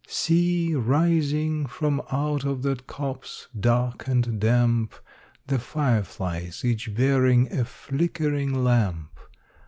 See, rising from out of that copse, dark and damp, The fire flies, each bearing a flickering lamp!